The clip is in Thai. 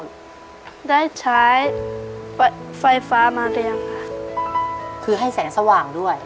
เขาใช้ไฟฟ้ามันเรียงคือให้แสงสว่างด้วย